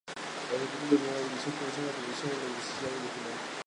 Los equipos de Primera División comenzaron la competición en los dieciseisavos de final.